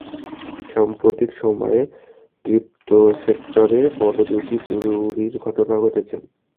সাম্প্রতিক সময়ে ক্রিপ্টোসেক্টরে বড় দুটি চুরির ঘটনা ঘটেছে।